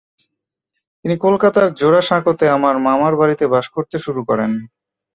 তিনি কোলকাতার জোড়াসাঁকোতে মামার বাড়িতে বাস করতে শুরু করেন।